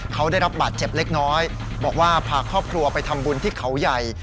เขาได้รับบาดเจ็บเล็กน้อยบอกว่าพาครอบครัวไปทำบุญที่เขาใหญ่